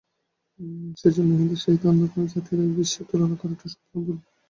সেজন্য হিন্দুর সহিত অন্য কোন জাতিরই ঐ বিষয়ে তুলনা করাটা সম্পূর্ণ ভুল।